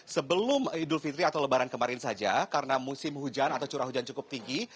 sebelum idul fitri atau lebaran kemarin saja karena musim hujan atau curah hujan cukup tinggi